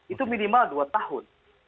itu minimal dua tahun